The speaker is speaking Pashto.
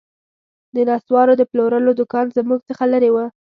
د نسوارو د پلورلو دوکان زموږ څخه لیري و